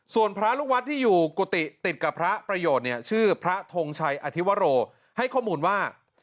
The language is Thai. ส่วนพระลูกวัดที่อยู่กุฏิติดกับพระประโยชน์เนี่ยชื่อพระทงชัยอธิวโรให้ข้อมูลว่า